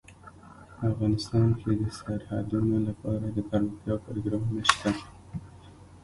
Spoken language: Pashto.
افغانستان کې د سرحدونه لپاره دپرمختیا پروګرامونه شته.